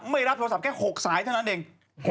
โทรศัพท์แค่๖สายเท่านั้นเอง